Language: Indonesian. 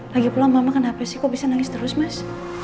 lagi pulang mama kenapa sih kok bisa nangis terus mas